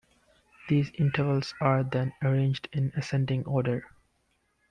These intervals are then arranged in ascending order.